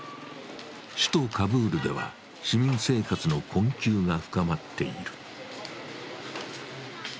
首都カブールでは市民生活の困窮が深まっている。